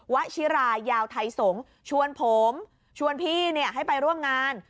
ชิรายาวไทยสงศ์ชวนผมชวนพี่ให้ไปร่วมงาน